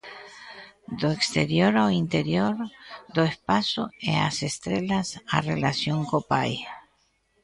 Do exterior ao interior, do espazo e as estrelas á relación co pai.